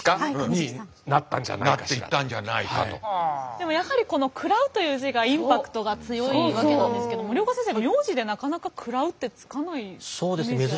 でもやはりこの「喰らう」という字がインパクトが強いわけなんですけど森岡先生名字でなかなか「喰らう」って付かないイメージが。